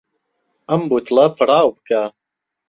ئەم بوتڵە پڕ ئاو بکە.